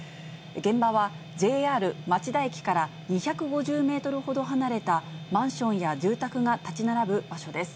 現場は、ＪＲ町田駅から２５０メートルほど離れた、マンションや住宅が建ち並ぶ場所です。